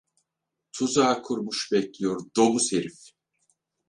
Tuzağı kurmuş bekliyor, domuz herif!